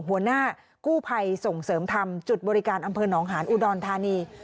หัวหน้ากู้ภัยส่งเสริมธรรมจุดบริการอำเภอหนองหาญอุดรธานี